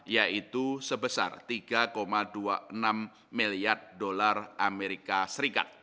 yaitu sebesar tiga dua puluh enam miliar dolar amerika serikat